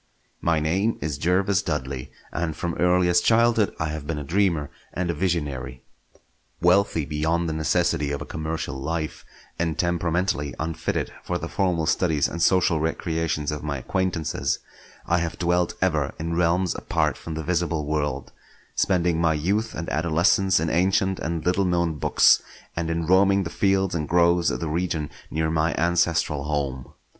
My name is Jervas Dudley, and from earliest childhood I have been a dreamer and a visionary. Wealthy beyond the necessity of a commercial life, and temperamentally unfitted for the formal studies and social recreations of my acquaintances, I have dwelt ever in realms apart from the visible world; spending my youth and adolescence in ancient and little known books, and in roaming the fields and groves of the region near my ancestral home.